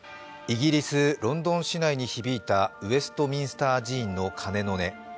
イギリス・ロンドン市内に響いたウェストミンスター寺院の鐘の音。